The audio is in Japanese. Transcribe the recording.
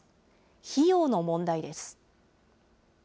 費用の問題です。